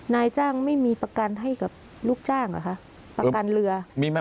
นายจ้างไม่มีประกันให้กับลูกจ้างเหรอคะประกันเรือมีไหม